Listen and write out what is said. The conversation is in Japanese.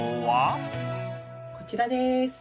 こちらです。